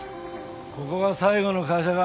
ここが最後の会社か。